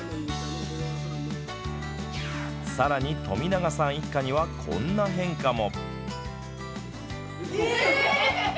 さらに富永さん一家にはこんな変化も。